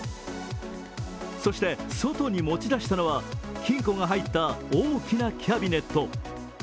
そして外に持ち出したのは金庫が入った大きなキャビネット。